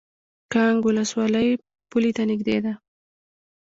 کانګ ولسوالۍ پولې ته نږدې ده؟